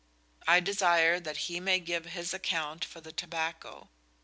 I desire that hee may give his account for the tobacco."